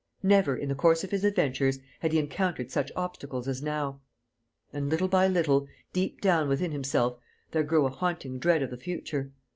Never, in the course of his adventures, had he encountered such obstacles as now. And, little by little, deep down within himself, there grew a haunting dread of the future.